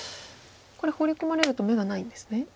これホウリ込まれると眼がないんですね。